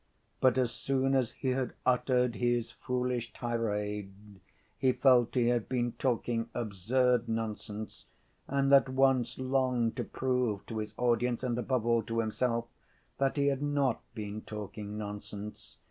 But as soon as he had uttered his foolish tirade, he felt he had been talking absurd nonsense, and at once longed to prove to his audience, and above all to himself, that he had not been talking nonsense.